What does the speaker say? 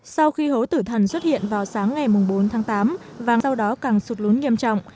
sau khi hố tử thần xuất hiện vào sáng ngày bốn tháng tám và sau đó càng sụt lún nghiêm trọng